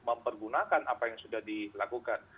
mempergunakan apa yang sudah dilakukan